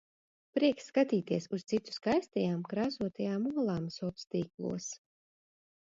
Prieks skatīties uz citu skaistajām, krāsotajām olām soctīklos.